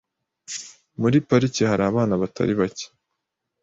Muri parike hari abana batari bake .